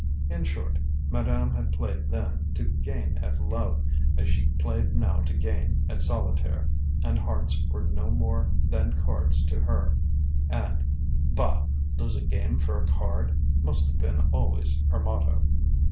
In short, madame had played then to gain at love, as she played now to gain at solitaire; and hearts were no more than cards to her and, "Bah! Lose a game for a card!" must have been always her motto.